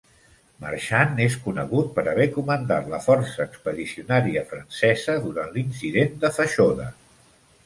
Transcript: Marchand és conegut per haver comandat la força expedicionària francesa durant l'incident de Fashoda.